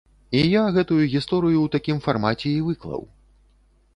І я гэтую гісторыю ў такім фармаце і выклаў.